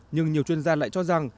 nhưng nhiều chuyên gia lại cho rằng